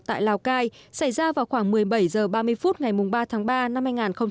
tại lào cai xảy ra vào khoảng một mươi bảy h ba mươi phút ngày ba tháng ba năm hai nghìn hai mươi